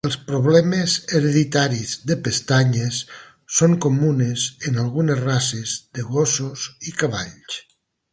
Els problemes hereditaris de pestanyes són comunes en algunes races de gossos i cavalls.